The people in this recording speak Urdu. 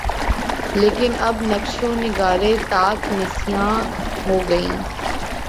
لیکن اب نقش و نگارِ طاق نسیاں ہو گئیں